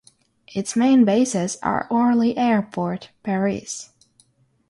Its main bases are Orly Airport, Paris.